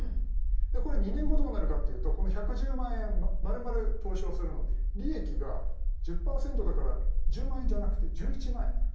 でこれ２年後どうなるかっていうとこの１１０万円まるまる投資をするので利益が１０％だから１０万円じゃなくて１１万円になる。